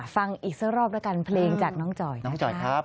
ไปแก้ลุงฟังเนายครับ